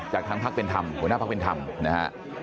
จากทางพักเป็นธรรมหัวหน้าพักเป็นธรรมนะฮะ